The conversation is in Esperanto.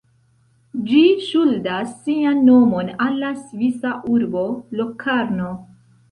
Ĝi ŝuldas sian nomon al la svisa urbo Locarno.